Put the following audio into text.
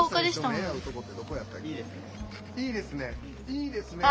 「いいですね」。